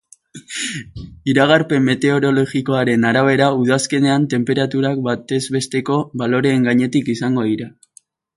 Iragarpen meteorologikoaren arabera, udazkenean tenperaturak batez besteko baloreen gainetik izango dira.